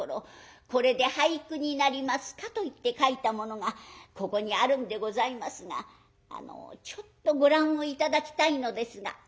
『これで俳句になりますか？』といって書いたものがここにあるんでございますがあのちょっとご覧を頂きたいのですが」。